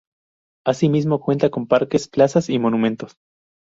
Así mismo cuenta con Parques, Plazas y monumentos.